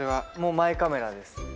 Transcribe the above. マイカメラです